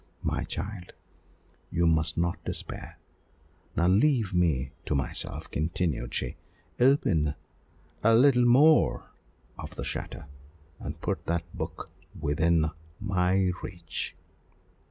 My child, you must not despair. Now leave me to myself," continued she "Open a little more of the shutter, and put that book within my reach."